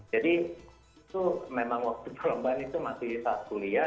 jadi itu memang waktu perlombaan itu masih saat kuliah